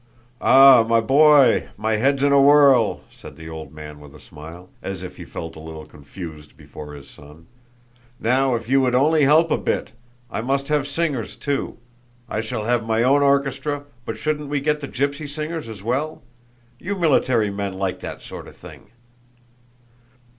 "Ah, my boy, my head's in a whirl!" said the old man with a smile, as if he felt a little confused before his son. "Now, if you would only help a bit! I must have singers too. I shall have my own orchestra, but shouldn't we get the gypsy singers as well? You military men like that sort of thing."